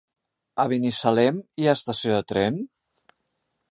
A Binissalem hi ha estació de tren?